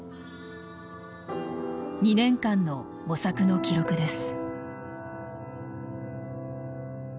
２年間の模索の記録です。